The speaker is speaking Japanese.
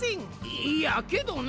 いいやけどな。